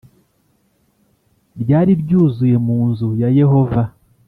Ryari ryuzuye mu nzu ya yehova